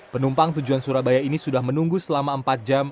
penumpang tujuan surabaya ini sudah menunggu selama empat jam